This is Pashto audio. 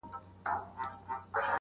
غم ته ې ورپرې نښوم تمام عمر